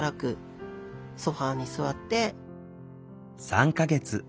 ３か月。